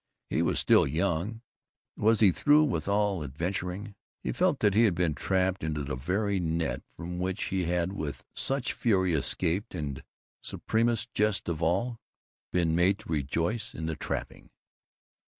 He was still young; was he through with all adventuring? He felt that he had been trapped into the very net from which he had with such fury escaped and, supremest jest of all, been made to rejoice in the trapping.